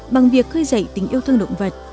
bằng việc khơi dậy tình yêu thương động vật